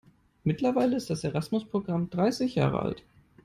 Mittlerweile ist das Erasmus-Programm dreißig Jahre alt.